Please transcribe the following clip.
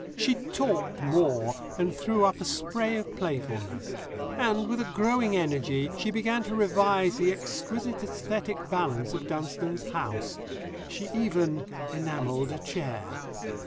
She talked more, and threw up a spray of playfulness. And, with a growing energy, she began to revise the exquisite æsthetic balance of Dunstone's house. She even enamelled a chair.